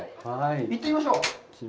行ってみましょう。